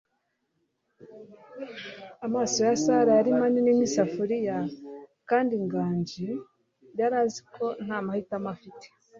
Amaso ya Sara yari manini nk'isafuriya kandi Nganji yari azi ko nta mahitamo afite.